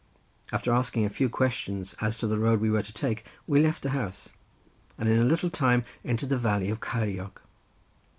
After asking a few questions as to the road we were to take, we left the house, and in a little time entered the valley of Ceiriog.